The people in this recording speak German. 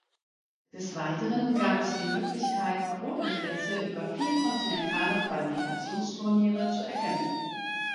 Des Weiteren gab es die Möglichkeit Quotenplätze über vier kontinentale Qualifikationsturniere zu erkämpfen.